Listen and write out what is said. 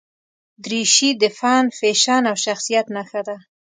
دریشي د فن، فیشن او شخصیت نښه ده.